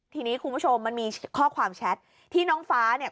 ทีนี้คุณผู้ชมมันมีข้อความแชทที่น้องฟ้าเนี่ย